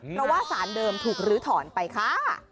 เพราะว่าสารเดิมถูกลื้อถอนไปค่ะ